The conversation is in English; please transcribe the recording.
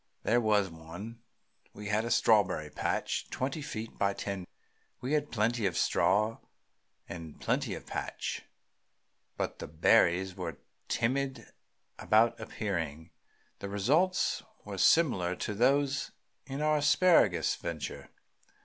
There was one. We had a strawberry patch twenty feet by ten. We had plenty of straw and plenty of patch, but the berries were timid about appearing. The results were similar to those in our asparagus venture.